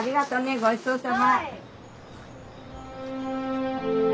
ごちそうさま。